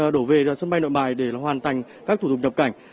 đổ về sân bay nội bài để hoàn thành các thủ tục nhập cảnh